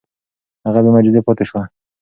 هغه بې معجزې پاتې شوه.